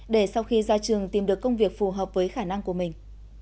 để sau khi ra trường tìm được công việc phù hợp với khả năng của mình